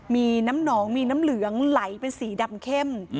มีน้ำหนองมีน้ำเหลืองไหลเป็นสีดำเข้ม